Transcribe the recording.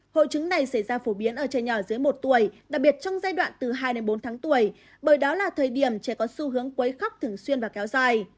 hội chứng này xảy ra phổ biến ở trẻ nhỏ dưới một tuổi đặc biệt trong giai đoạn từ hai đến bốn tháng tuổi bởi đó là thời điểm trẻ có xu hướng quấy khóc thường xuyên và kéo dài